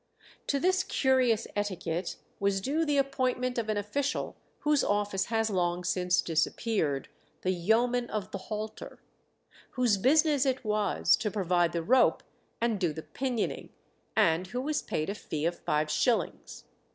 To this curious etiquette was due the appointment of an official whose office has long since disappeared, "the yeoman of the halter," whose business it was to provide the rope and do the pinioning, and who was paid a fee of five shillings.